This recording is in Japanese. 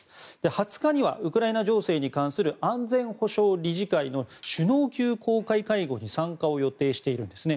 ２０日にはウクライナ情勢に関する安全保障理事会の首脳級公開会合に参加を予定しているんです。